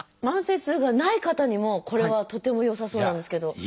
慢性痛がない方にもこれはとても良さそうなんですけど。